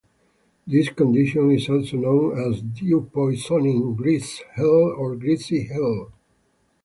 This condition is also known as "dew poisoning," "grease heel," or "greasy heel".